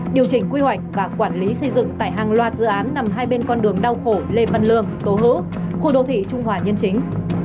điều chỉnh quy hoạch và quản lý xây dựng tại hàng loạt dự án nằm hai bên con đường đau khổ lê văn lương tố hữu khu đô thị trung hòa nhân chính